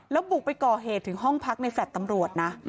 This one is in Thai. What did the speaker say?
แล้วบุกไปก่อเหตุถึงห้องพักในแฟลต์ตำรวจนะ